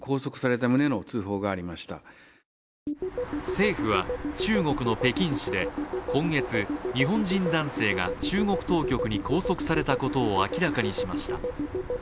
政府は中国の北京市で今月、日本人男性が中国当局に拘束されたことを明らかにしました。